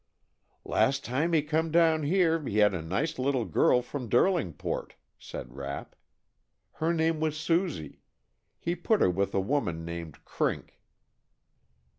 "Last time he come down here he had a nice little girl from Derlingport," said Rapp. "Her name was Susie. He put her with a woman named Crink."